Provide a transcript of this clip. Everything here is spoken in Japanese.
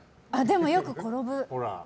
よく転ぶ。